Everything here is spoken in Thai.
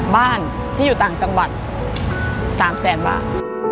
บ้านที่อยู่ต่างจังหวัด๓แสนบาท